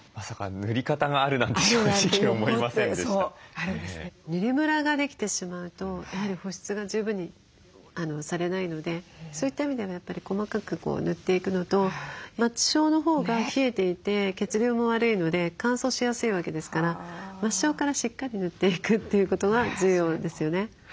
塗りムラができてしまうとやはり保湿が十分にされないのでそういった意味ではやっぱり細かく塗っていくのと末梢のほうが冷えていて血流も悪いので乾燥しやすいわけですから末梢からしっかり塗っていくということが重要ですよね。